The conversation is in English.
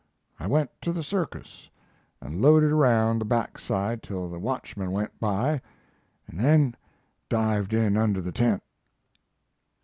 I went to the circus, and loafed around the back side till the watchman went by, and then dived in under the tent.